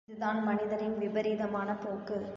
இதுதான் மனிதரின் விபரீதமான போக்கு.